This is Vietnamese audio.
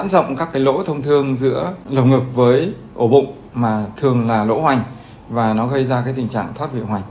đầu ngực với ổ bụng mà thường là lỗ hoành và nó gây ra cái tình trạng thoát vị hoành